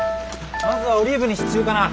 まずはオリーブに支柱かな。